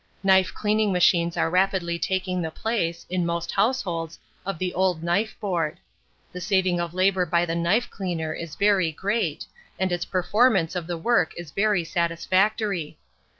Knife cleaning machines are rapidly taking the place, in most households, of the old knife board. The saving of labour by the knife cleaner is very great, and its performance of the work is very satisfactory.